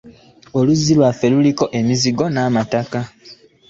Oluzzi lwaffe luliko emizizo n'amateeka.